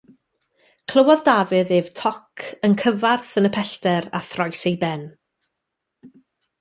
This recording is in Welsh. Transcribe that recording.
Clywodd Dafydd ef toc yn cyfarth yn y pellter a throes ei ben.